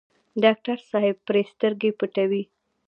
ډاکټر صاحب پرې سترګې پټوي.